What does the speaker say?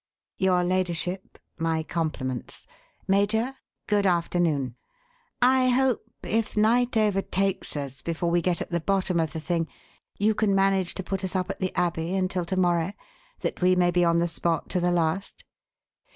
Your ladyship, my compliments. Major, good afternoon. I hope if night overtakes us before we get at the bottom of the thing you can manage to put us up at the Abbey until to morrow that we may be on the spot to the last?"